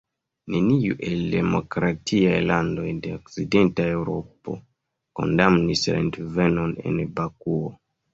Neniu el demokratiaj landoj de Okcidenta Eŭropo kondamnis la intervenon en Bakuo.